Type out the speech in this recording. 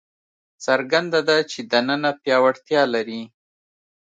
څرګنده ده چې دننه پیاوړتیا لري.